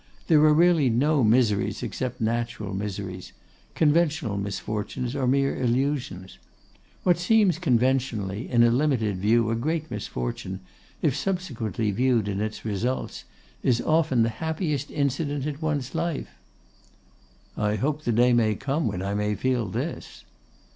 There are really no miseries except natural miseries; conventional misfortunes are mere illusions. What seems conventionally, in a limited view, a great misfortune, if subsequently viewed in its results, is often the happiest incident in one's life.' 'I hope the day may come when I may feel this.